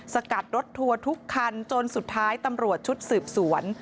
สกัดรถทัวร์ทุกคันจนสุดท้ายตำรวจชุดสืบสวน